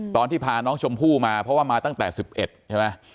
ตอนที่พาน้องชมพู่มาเพราะว่ามาตั้งแต่๑๑ใช่ไหม